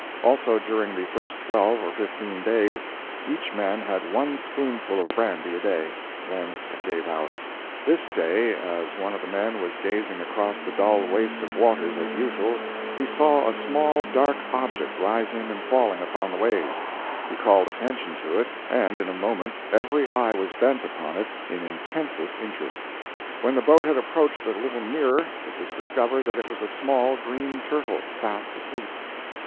Also, during the first twelve or fifteen days, each man had one spoonful of brandy a day, then it gave out. This day, as one of the men was gazing across the dull waste of waters as usual, he saw a small, dark object rising and falling upon the waves. He called attention to it, and in a moment every eye was bent upon it in intensest interest. When the boat had approached a little nearer, it was discovered that it was a small green turtle, fast asleep.